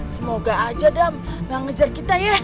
semoga aja dam gak ngejar kita ya